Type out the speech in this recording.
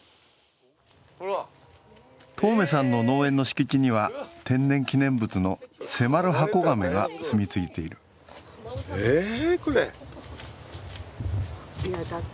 当銘さんの農園の敷地には天然記念物のセマルハコガメが住みついているえーっ、これ。